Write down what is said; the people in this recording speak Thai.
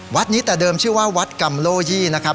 วัดนี้แต่เดิมชื่อว่าวัดกำโลยี่นะครับ